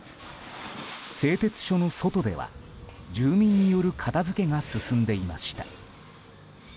製鉄所の外では、住民による片付けが進んでいました。